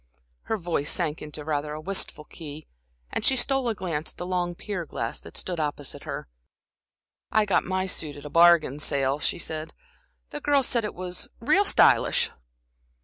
Her voice sank into rather a wistful key, and she stole a glance at the long pier glass that stood opposite her. "I got my suit at a bargain sale," she said. "The girls said it was real stylish."